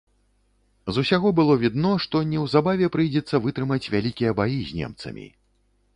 З усяго было відно, што неўзабаве прыйдзецца вытрымаць вялікія баі з немцамі.